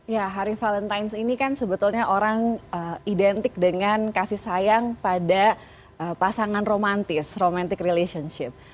ya hari valentines ini kan sebetulnya orang identik dengan kasih sayang pada pasangan romantis romantic relationship